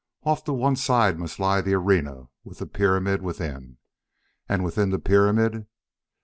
Off to one side must lie the arena with the pyramid within. And within the pyramid